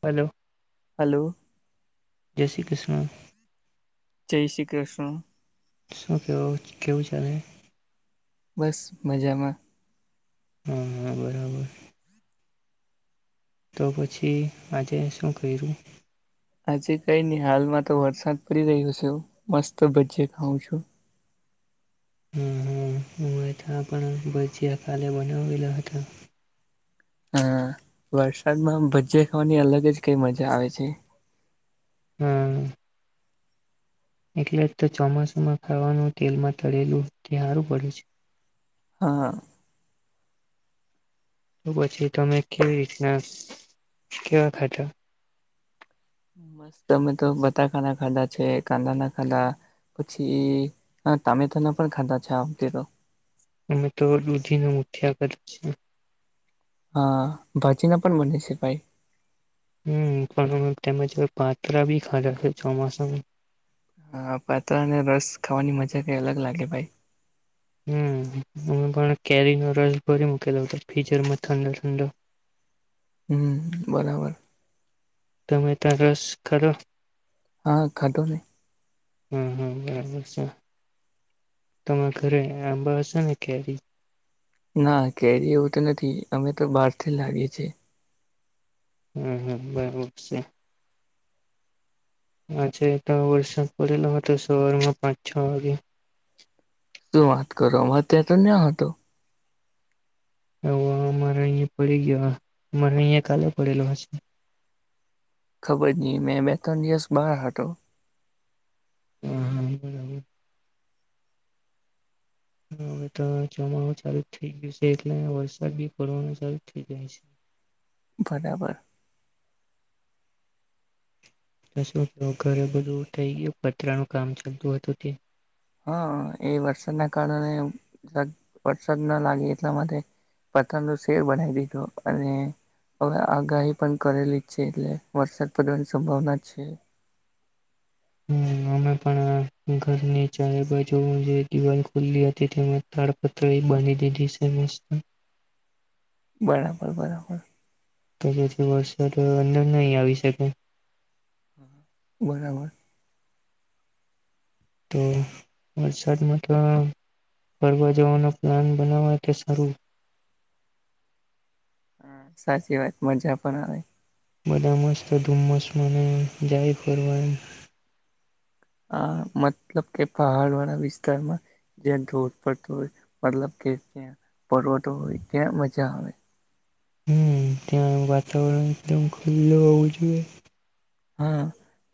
Hello. Hello. જય શ્રી કૃષ્ણ. જય શ્રી કૃષ્ણ. શું કે કેવું છે ચાલે? બસ મજામાં. હા હા બરાબર. તો પછી, આજે શું કયરૂ? આજે કઈ નહી. હાલમાં તો વરસાદ પડી રહ્યો છે. મસ્ત ભજીયા ખઉં છું. હમ હ! હું ત પણ ભજીયા કાલે બનાવેલા હતા. હા! વરસાદમાં ભજીયા ખાવાની અલગ જ કઈ મજા આવે છે. હમ! એટલે જ તો ચોમાસુમાં ખાવાનું તેલમાં તળેલું તે હારું પડે છે. હા. તો પછી તમે કેવી રીતના કેવા ખાધા? મસ્ત તમે તો બટાકાા ના ખાધા છે, કાંદા ના ખાધા, પછી તામેટા ના પણ ખાધા છે આ વખતે તો અમે તો દુધીને મુઠ્યા કરી છે. હા! ભચીના પણ બને છે ભાઈ. હમ! પણ તેમજ પાત્રા બી ખાધા ચોમાસા. હા પાત્રા અને રસ ખાવાની મજા કઈ અલગ લાગે ભાઈ. હમ અમે પણ કેરીનો રસ ભરી મૂકેલો ફ્રીઝરમાં ઠંડો ઠંડો. હમ બરાબર. તમે તો રસ કરો. હા ખાટોને. હમ. હા બરાબર છે, તમા ઘરે આંબા હશે ને કેરી ના કેરી એવું તો નથી, અમે તો બહારથી લાગીએ છીએ. હમ. હમ. બરાબર છે. હછા એટલા વર્ષ પેલા તો સવારમાં પાંચ છ વાગે શું વાત કરો અમે ત્યાં તો ન્યા હતો. હ અમારે અહિયાં પડી ગયો, અમારે અહિયાં કાલે પડેલો હશે. ખબર નહ મેં બે ત્રણ દિવસ બાર હતો. હ. હા. હ હવે તો જમાણું ચારુ થઇ ગયું છે, એટલે વરસાદ બી પડવાનું સારુ થઇ જાય છે. બરાબર. દસ મિત્રો ઘરે બધું થઈ ગયું, પતરાનું કામ ચાલતું હતું તે હા એ વરસાદના કારણે વરસાદ ના લાગે એટલે માટે પથરનો શેર બનાવી દીધું અને હવે આગાહી પણ કરેલી જ છે એટલે વરસાદ પડવાની સંભાવના છે. હમ અમે પણ ઘરની ચારે બાજુ જે દિવાલ ખુલ્લી હતી તેમ તાડપળી બાંધી દીધી [unintelligible] બરાબર. બરાબર. કે જેથી વરસાદ અંદર નહી આવી શકે. બરાબર. તો વરસાદમાં તો ફરવા જવાનું પ્લાન બનાવા તે સારું હા. સાચી વાત મજા પણ આવે. બધા મસ્ત તો ધુમ્મસ મને એ જાય ફરવા એમ આ મતલબ કે પહાડ વાળા વિસ્તારમાં, જ્યાં ધોધ પડતો હોય મતલબ કે ત્યાં પર્વતો હોય ત્યાં મજા આવે હમ ત્યાં વાતાવરણ એકદમ ખુલ્લું હોવું જોઈએ. હા,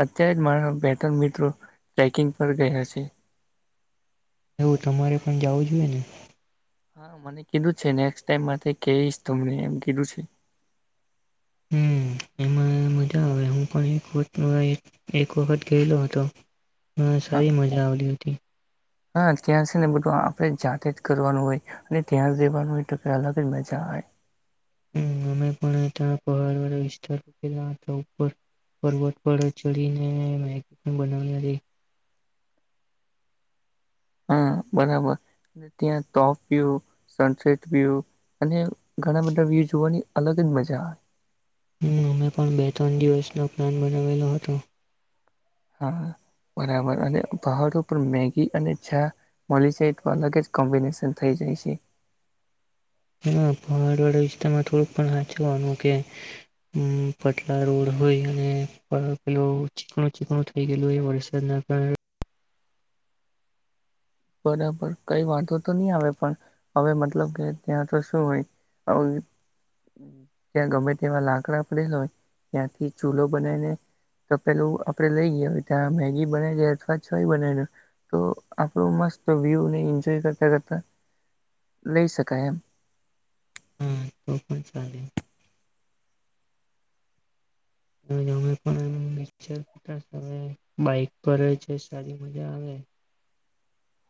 અત્યારે જ મારા બે ત્રણ મિત્રો ટ્રેકિંગ પર ગયા છે. એવું તમારે પણ જાવું જોઈએ ને હા મને કીધું છે નેક્સ્ટ ટાઈમ માટે કેહીશ તમને એમ કીધું છે હ એમાં મજા આવે હું પણ એક વત એક વખત ગયેલો હતો હા સારી મજા આવલી હતી હા ત્યાં છે ને બધું આપણે જાતે જ કરવાનું હોય અને ત્યાં જવાનું હોય તો અલગ જ મજા આવે અમે પણ ત્યાં પહાડ વાળા વિસ્તાર હતાર પર્વત પર ચડીને બનાવ ર હ બરાબર ત્યાં ટોપ વ્યુ સનસેટ વ્યૂ અને ઘણા બધા વ્યૂ જોવાની અલગ જ મજા આવે અમે પણ બે ત્રણ દિવસનો પ્લાન બનાવેલો હતો હા બરાબર અને પહાડ ઉપર મેગી અને ચા મળી જાય તો અલગ જ કોમ્બિનેશન થઈ જાય છે હા પહાડ વાળા વિસ્તારમાં થોડુંક પણ હાચવાનુ કે પટલા રોડ હોય અને પેલો ચીકણું ચીકણું થઈ ગયેલું હોય વરસાદના કારણે બરાબર કઈ વાતો તો નહી આવે પણ હવે મતલબ કે ત્યાં તો શું હોય ત્યાં ગમે તેવા લાકડા પડલા હોય ત્યાંથી ચૂલો બનાવીને તો પેલું આપડે લઈ ગયા હોય ત્યાં મેગી બનાવી લ અથવા છય બનાવી તો થ મસ્ત વ્યુ ને એન્જોય કરતા કરતા લઈ શકાય એમ પલે [inaudible] અમે પણ એમ બાઈક પર છે સારી મજા આવે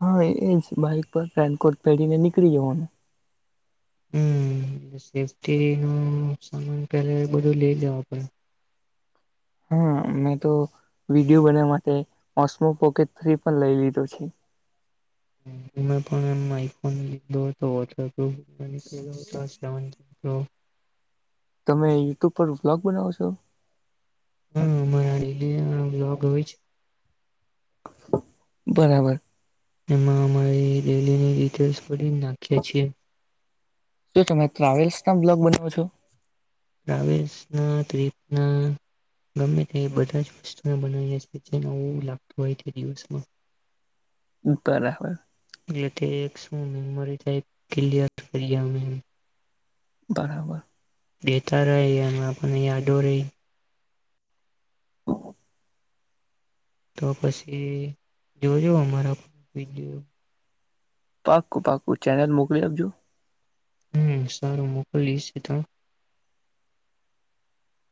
હા એજ બાઈક પર રેનકોટ પહેરીને નીકળી જવાનું હમ સેફ્ટી નું સામાન પે બધું લઇ જવા પડે હા મેં તો વિડીયો બનવવા માટે ઓસમો પોકેટ ફ્રી પણ લઈ લીધો છે પણ એ આઈફોન લીધો હતોનીળ [inaudible] તમે યુટ્યુબ પર વ્લોગ બનાવો છો હા્લોગ હોય છે [inaudible] બરાબર. એમાં અમારી ડેલીની ડિટેલસ બધી નાખ્યા છીએ. શું તમે ટ્રાવેલ્સ ના બ્લોગ બનાવો છો. ટ્રાવેલસ ના ટીપ ના ગમે તે બધા વસ્તુ ના બનાવી છિ એલાગતું હોય તે દિવસમાં બરાબર. એટલે તે એક મેમરી ટ ક્લયર કરી. [unintelligible] બરાબર. દેતા રે એ આપને યાદો રહી. હા. તો પછી જોજો અમારા પાક્કું પાક્કું ચેનલ મોકલી આપજો. હમ સારું મોકલી છે તો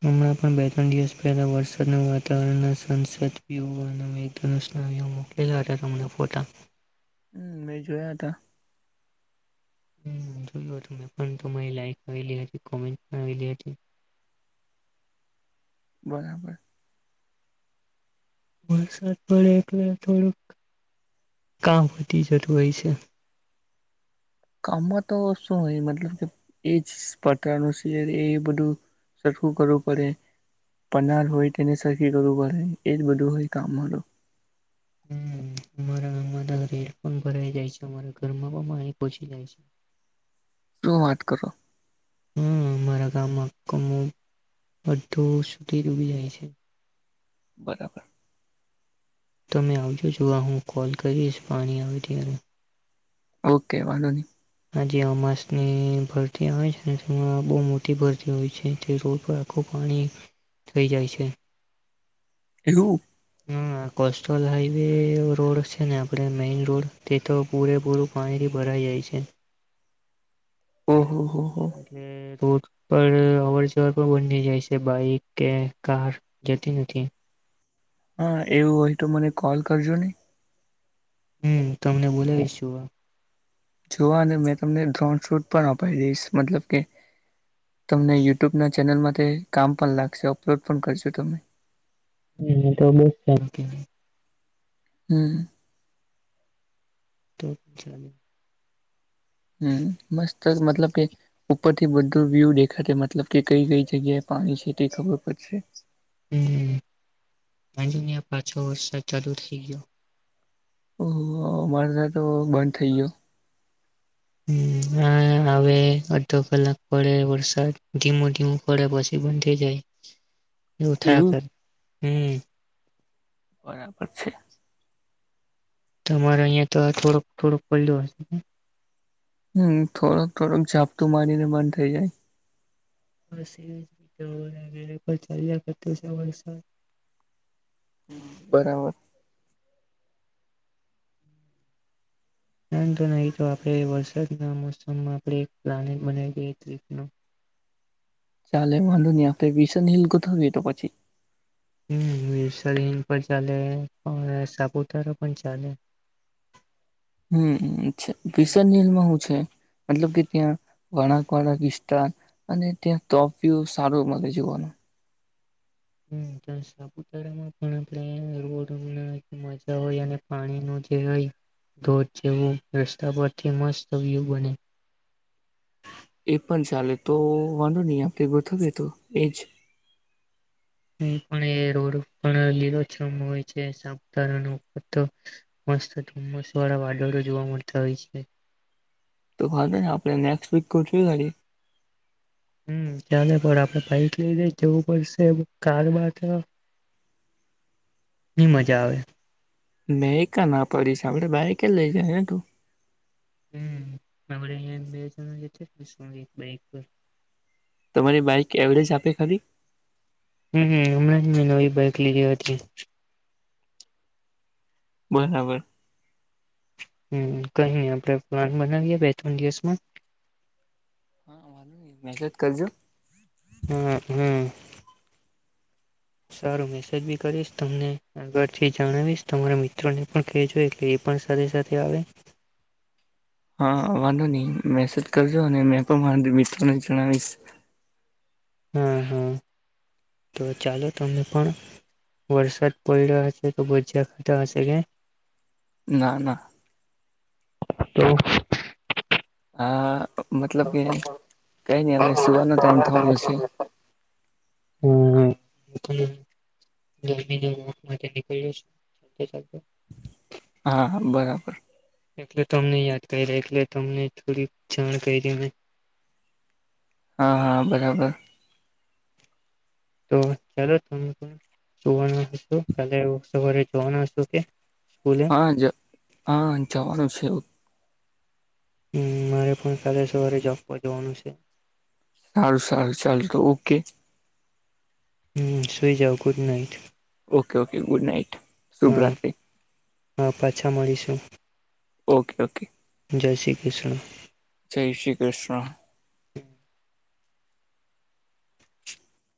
હમણાં પણ બે ત્રણ દિવસ પહેલા વરસાદના વાતાવરણના સંસદવાના [inaudible] મોકલા હતા હમણા ફોટા હમ મેં જોયા હતા. હમ્મ જોયું હતું મેં પણ તમારી લાઈક આવેલી હતી કોમેન્ટ પણ આવેલી હતી. બરાબર. વરસાદ પડે એટલે થોડુંક કામ વધી જતું હોય છે. કામમાં તો શું હોય મતલબ કે એ જપત્રનું છે, એ બધું સરખું કરવું પડે. પનાર હોય તેને કરવું પડે એજ બધું હોય કામ હતું. હમ અમારા ગામ ઘ હડફોન ભરાઈ જાય છે, અમારા ઘરમાં પણ પાણી પહચી જાય છે. [unintelligible] શું વાત કરો. હા મામારા ગામમાં કમો બધું સુધી ડૂબી જાય છે. [inaudible] બરાબર. તમે આવજો જોવા હું કોલ કરીશ પાણી આવે ત્યારે ઓકે વાંધો ન આ જે અમાસની ભરતી આવે છે તેમાં બહુ મોટી ભરતી હોય છે તે રોડ પર આખું પાણી થઈ જાય છે. હેલો. હા કોસ્ટલ હાઈવે રોડ છે ને આપણે મેઈન રોડ તે તો પૂરેપૂરું પાણી ભરાઈ જાય છે. હમ્મ-હમ્મ. એટલે ત પણ અવર જવર પણ બની જાય છે બાઈક કે કાર જતી નથી. હા એવું હોય તો મને કોલ કરજો નને હમ તમને બોલાવીશ છુ. જોવા મેં તમને ડ્રોન શૂટ પણ અપી દઈશ મતલબ કે તમને યુટ્યુબ ના ચેનલમાં તે કામ પણ લાગશે અપલોડ પણ કરજો તમે હમ્મ તો બ [unintelligible] હમ્મ. તો ચલે. હમ્મ મસ્ત મતલબ કે ઉપરથી બધું વ્યૂ દેખાશે મતલબ કે કઈ કઈ જગ્યાએ પાણી છે તે ખબર પડશે. [unintelligible] આ જો ની આ પાછો વર્ષ ચાલુ થઈ ગયો. ઓ અમારે સાથે તો બંધ થઇ ગયો. [unintelligible] હ હા આવે અડધો કલાક પડે વરસાદ ધીમું ધીમું પડે પછી બંધ થઈ જાય ઉઠા એવું કર હમ્મ બરાબર છે. તમારે અહિયાં તો આ થોડુંક થોડુંક પડલું હશે. હમ્મ થોડક થોડુંક જાઝાપતું મારીને બ થઈ જાય. ચાલ્યા કરતું છે વરસાદ હ બરાબર. નહી તો આપણે વરસાદના મોસમમાં આપણે પ્લાનેટ બનાવીઈ એક રીતનું ચાલે વાંધો નહીં આપ્યારે વિલ્સન હિલ ગોઠવવીએ તો પછી હમ્મ વિલ્સન હિલ પણ ચાલે સાપુતારા પણ ચાલે. હમ પીસન લમાં શું છે મતલબ કે ત્યાં વળક વાળા અને ત્યાં તોફ સારું મગે જીવાનું હ સાપુતારામાં પણો મજા હોય અને પાણી ન જે જેવ રસ્તા પરથી મસ્ત વ્યુ બને. એ પણ ચાલે તો વાંધો નહ આપણે ગ થબ તો એજ ોડ હોય છે સાસ્ત ધુમ્મસ વાળા વાદળો જોવા મળતા હોય છે. તો ખાત ને આપણે નેક્ શક કર છું ગારી ત પણ આપણે પાઈક લઈ દઈ જવું પડશે કાર ની મજા આવે. મેં ક ના પડીશ આપડે બાય કે લઈ જાય ને તું. હમડ અં બે જણ જે બાઈક પર તમારી બાઈક એવરેજ આપે ખરી હમ હમણાં જ મેં નવી બાઈક લીધી હતી. બરાબર હમ કઈ આપણે પ્લાન બનાવીએ બે ત્રણ દિવસમાં હા વાંધ મેસેજ કરજો. હમ હમ. સારો મેસેજ બી કરીશ તમને આગળથી જણાવીશ તમારા મિત્રોને પણ કહેજો એટલે એ પણ સાથે સાથે આવે. હા વાંધો નહી મેસેજ કરજો અને મેં પણ મા મિત્રોને જણાવીશ. હા હા તો ચાલો તમને પણ વરસાદ પડ રહ્યો હશે તો ભજયા ખાતા હશે કે ના ના તો હા મતલબ કે કઈ નહી હવે સુવાર નો ટાઈમ થવાનો છે. ગરમી ના માટે નીકળ્યો. હા બરાબર એટલે તમને યાદ કરી રહ્યા એટલે તમને થોડી જાણ કરી દ મેને હા હા બરાબર. તો ચાલો ત પણ જોવા કાલે સવારે જોવાનું હ કે સ્કૂલે હા જ હા જવાનું છે. હવ હમ, મારે પણ કાલે સવારે જમવા જવાનું છે. સારું સારું, ચાલ તો ઓકે. હમ, સુઈ જાઓ, good night. Okay, okay, good night. હા શુભરાત્રિ. હા, પાછા મળીશું. Okay, okay. જય શ્રી કૃષ્ણ. જય શ્રી કૃષ્ણ. હમ.